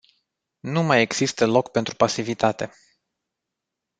Nu mai există loc pentru pasivitate.